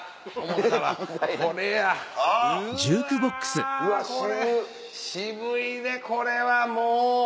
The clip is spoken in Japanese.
うわこれ渋いでこれはもう。